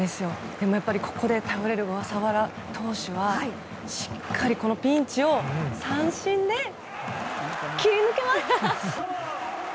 ここで頼れる小笠原投手はしっかりこのピンチを三振で切り抜けます！